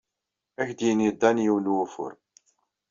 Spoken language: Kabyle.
Ad ak-d-yini Dan yiwen n wufur.